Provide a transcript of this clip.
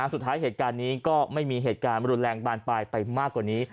สุดท้ายเหตุการณ์นี้ก็ไม่มีเหตุการณ์รุนแรงบานปลายไปมากกว่านี้